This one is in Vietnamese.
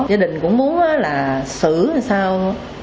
gia đình cũng muốn là xử sao